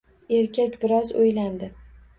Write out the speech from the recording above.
Erkak biroz o‘ylandi